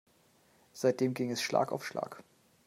Seitdem ging es Schlag auf Schlag.